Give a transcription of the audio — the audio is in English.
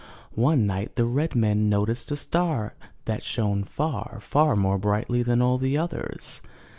One night the red men noticed a star that shone far, far more brightly than all the others.